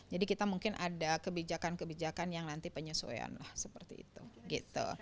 jadi kita mungkin ada kebijakan kebijakan yang nanti penyesuaian lah seperti itu gitu